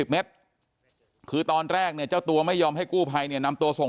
เมตรคือตอนแรกเนี่ยเจ้าตัวไม่ยอมให้กู้ภัยเนี่ยนำตัวส่ง